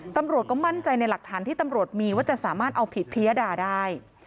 ตำรวจก็มั่นใจในหลักฐานที่ตำรวจมีว่าจะสามารถเอาผิดพิยดาได้